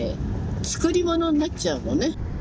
作り物になっちゃうのね。